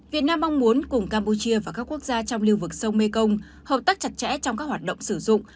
việt nam mong muốn cùng campuchia và các quốc gia trong lưu vực sông mekong hợp tác chặt chẽ trong các hoạt động sử dụng